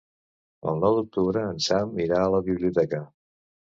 El nou d'octubre en Sam irà a la biblioteca.